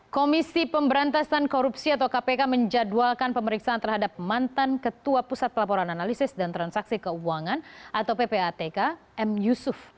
komisi pemberantasan korupsi atau kpk menjadwalkan pemeriksaan terhadap mantan ketua pusat pelaporan analisis dan transaksi keuangan atau ppatk m yusuf